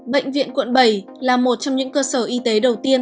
bệnh viện quận bảy là một trong những cơ sở y tế đầu tiên